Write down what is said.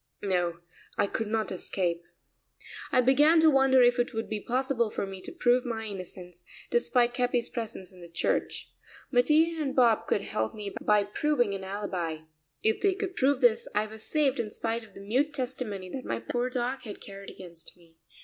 No, I could not escape. I began to wonder if it would be possible for me to prove my innocence, despite Capi's presence in the church. Mattia and Bob could help me by proving an alibi. If they could prove this I was saved in spite of the mute testimony that my poor dog had carried against me.